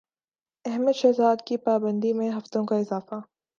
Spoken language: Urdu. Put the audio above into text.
احمد شہزاد کی پابندی میں ہفتوں کا اضافہ